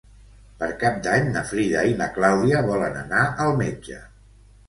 Per Cap d'Any na Frida i na Clàudia volen anar al metge.